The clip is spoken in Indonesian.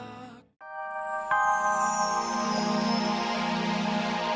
walaupun kamu lepas dari fadil